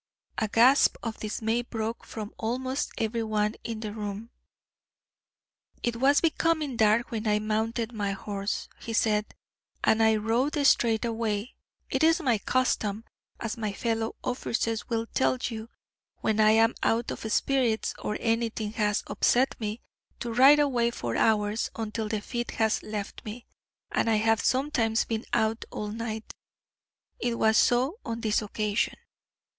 A gasp of dismay broke from almost every one in the room. "It was becoming dark when I mounted my horse," he said, "and I rode straight away; it is my custom, as my fellow officers will tell you, when I am out of spirits, or anything has upset me, to ride away for hours until the fit has left me, and I have sometimes been out all night. It was so on this occasion.